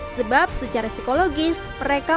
sebab secara psikologis mereka merasa kehilangan kekuatan